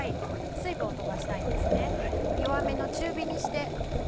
水分を飛ばしたいんですね。